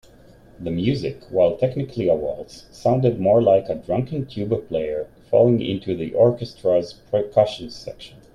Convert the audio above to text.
The music, while technically a waltz, sounded more like a drunken tuba player falling into the orchestra's percussion section.